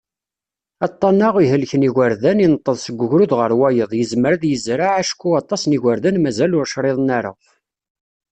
Aṭṭan-a, ihelken yigerdan, ineṭṭeḍ seg ugrud ɣer wayeḍ, yezmer ad yezreɛ, acku aṭas n yigerdan mazal ur criḍen ara.